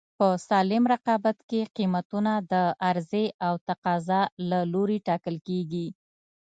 په سالم رقابت کې قیمتونه د عرضې او تقاضا له لورې ټاکل کېږي.